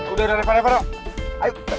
udah udah reba reba reba ayo